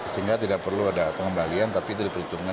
sehingga tidak perlu ada pengembalian tapi itu diperhitungkan